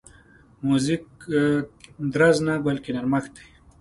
موزیک درز نه، بلکې نرمښت دی.